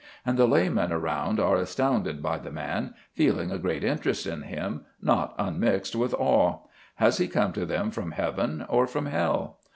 And the laymen around are astounded by the man, feeling a great interest in him, not unmixed with awe. Has he come to them from Heaven or from Hell?